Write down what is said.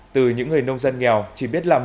từ những người nông dân nghèo chỉ biết làm